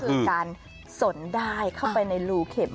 คือการสนได้เข้าไปในรูเข็ม